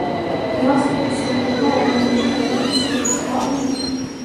პილასტრები სრულდება ორნამენტირებული სვეტისთავებით.